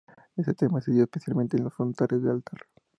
Este tema se dio especialmente en los frontales de altar.